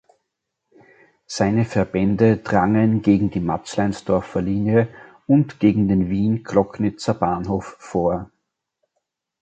Seine Verbände drangen gegen die Matzleinsdorfer Linie und gegen den Wien-Gloggnitzer Bahnhof vor.